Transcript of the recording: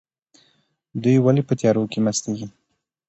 دوی ولې په تیارو کې مستیږي؟